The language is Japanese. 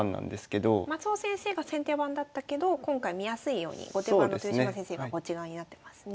松尾先生が先手番だったけど今回見やすいように後手番の豊島先生がこっち側になってますね。